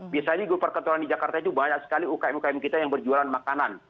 biasanya di gedung park kertoran di jakarta itu banyak sekali ukm ukm kita yang berjualan makanan